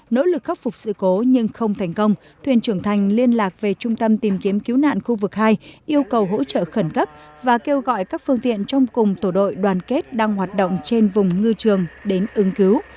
nỗ lực khắc phục sự cố nhưng không thành công thuyền trưởng thành liên lạc về trung tâm tìm kiếm cứu nạn khu vực hai yêu cầu hỗ trợ khẩn cấp và kêu gọi các phương tiện trong cùng tổ đội đoàn kết đang hoạt động trên vùng ngư trường đến ứng cứu